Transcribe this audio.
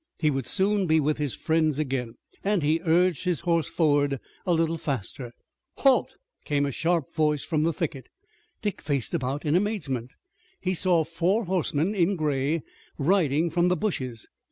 He would soon be with his friends again, and he urged his horse forward a little faster. "Halt!" cried a sharp voice from the thicket. Dick faced about in amazement, and saw four horsemen in gray riding from the bushes.